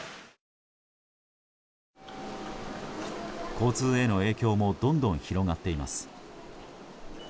交通への影響もどんどん広がっています。